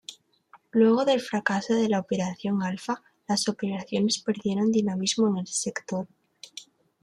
Luego del fracaso de la Operación Alfa, las operaciones perdieron dinamismo en el sector.